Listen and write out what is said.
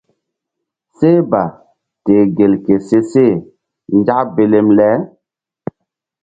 Seh ba teh gel ke se she nzak belem le.